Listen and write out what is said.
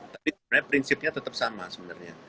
tapi sebenarnya prinsipnya tetap sama sebenarnya